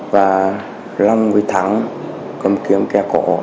và long huy thắng cầm kiếm kẻ cổ